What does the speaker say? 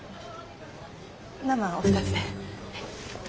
生お二つで。